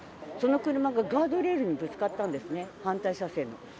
その車がガードレールにぶつかったんですね、反対車線の。